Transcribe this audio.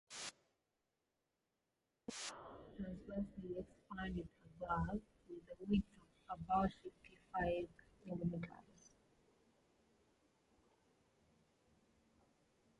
The spines are also transversely expanded above, with a width of about fifty-five millimetres.